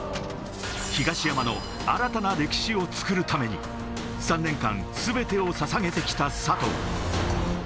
東山の新たな歴史を作るために、３年間全てをささげてきた佐藤。